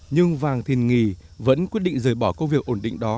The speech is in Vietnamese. nhưng vàng thìn nghì vẫn quyết định rời bỏ công việc ổn định đó